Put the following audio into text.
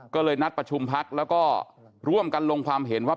ก็เลยนัดประชุมพักแล้วก็ร่วมกันลงความเห็นว่า